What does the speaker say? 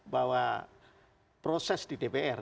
bahwa proses di dpr